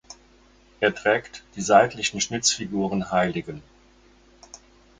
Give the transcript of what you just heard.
Er trägt die seitlichen Schnitzfiguren hl.